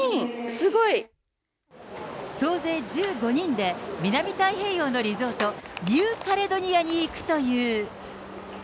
すごい。総勢１５人で南太平洋のリゾート、ニューカレドニアに行くという。